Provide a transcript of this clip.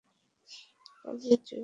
পালিয়ে যেও না।